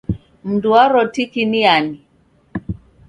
Mndu waro tiki ni ani?